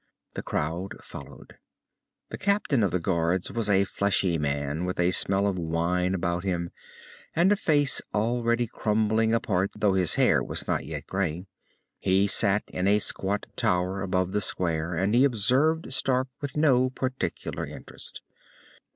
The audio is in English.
The crowd followed. The captain of the guards was a fleshy man with a smell of wine about him and a face already crumbling apart though his hair was not yet grey. He sat in a squat tower above the square, and he observed Stark with no particular interest.